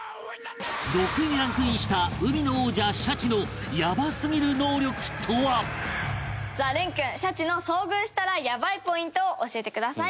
６位にランクインした海の王者シャチのヤバすぎる能力とは？さあ蓮君シャチの遭遇したらヤバいポイントを教えてください。